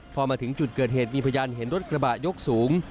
พอมาถึงจุดเกิดเหตุมีพยานเห็นรถกระบะยกสูง